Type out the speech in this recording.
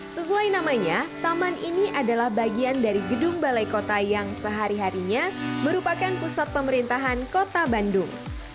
sesuai namanya taman ini adalah bagian dari gedung balai kota yang sehari harinya merupakan pusat pemerintahan kota bandung